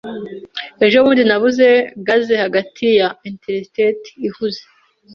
Ejobundi nabuze gaze hagati ya Interstate ihuze.